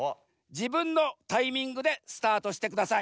じぶんのタイミングでスタートしてください。